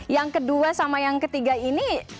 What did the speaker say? yang kedua sama yang ketiga ini